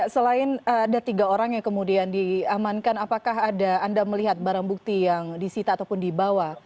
selain ada tiga orang yang kemudian diamankan apakah ada anda melihat barang bukti yang disita ataupun dibawa